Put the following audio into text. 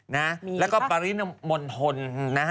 นะแล้วก็ปรินมนธน